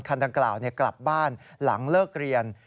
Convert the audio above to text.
คันดังกล่าวกลับบ้านหลังเลิกเรียน